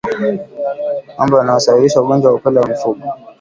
Mambo yanayosababisha ugonjwa wa upele kwa mifugo